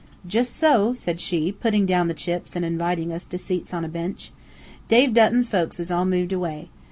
"Jist so," said she, putting down the chips, and inviting us to seats on a bench. "Dave Dutton's folks is all moved away.